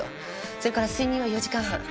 それから睡眠は４時間半。